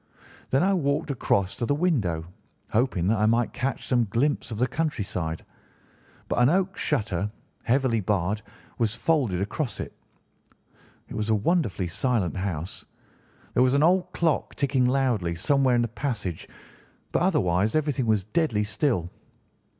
Then I walked across to the window, hoping that I might catch some glimpse of the country side, but an oak shutter, heavily barred, was folded across it. It was a wonderfully silent house. There was an old clock ticking loudly somewhere in the passage, but otherwise everything was deadly still.